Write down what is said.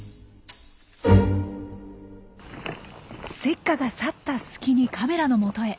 セッカが去った隙にカメラのもとへ。